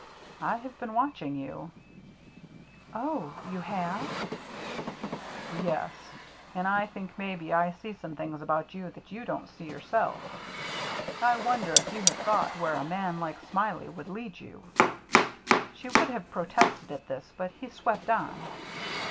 I have been watching you —"" Oh, — you have ?"" Yes, and I think maybe I see some thkigs about you that you don't see yourself. I won der if you have thought where a man like Smiley would lead you ?" She would have pro tested at this, but he swept on.